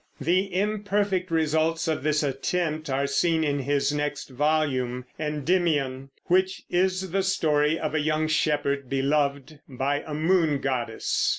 The imperfect results of this attempt are seen in his next volume, Endymion, which is the story of a young shepherd beloved by a moon goddess.